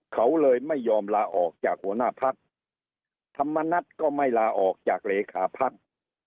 เขาเลยไม่ยอมลาออกจากหัวหน้าพักธรรมนัฐก็ไม่ลาออกจากเลขาพัก